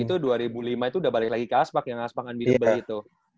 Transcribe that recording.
udah gitu dua ribu lima itu udah balik lagi ke aspak yang aspak unbeatable itu